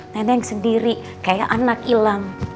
neneng sendiri kayak anak ilang